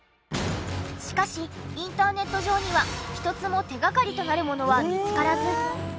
しかしインターネット上には一つも手掛かりとなるものは見つからず。